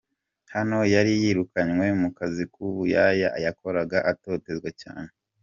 Hano yari yirukanywe mu kazi k'ubuyaya yakoraga atotezwa cyane.